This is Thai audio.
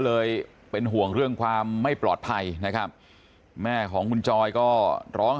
เลยเป็นห่วงเรื่องความไม่ปลอดภัยนะครับแม่ของคุณจอยก็ร้อง